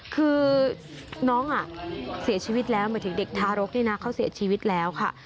คือน้องเสียชีวิตแล้วหมายถึงเด็กทารกด้วยนะเขาเสียชีวิตแล้วค่ะ